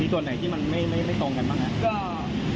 มีส่วนไหนที่ไม่ตรงกันบ้าง